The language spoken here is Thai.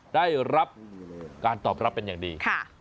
ได้รับการตอบรับเป็นอย่างดี